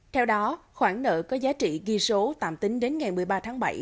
theo đó khoản nợ có giá trị ghi số tạm tính đến ngày một mươi ba tháng bảy